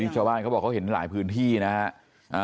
ชาวบ้านเขาบอกเขาเห็นหลายพื้นที่นะฮะ